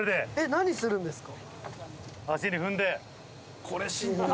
何するんですか？